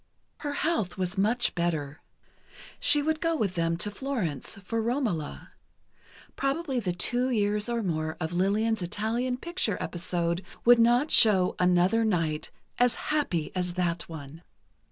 Her health was much better. She would go with them to Florence, for "Romola." Probably the two years or more of Lillian's Italian picture episode would not show another night as happy as that one.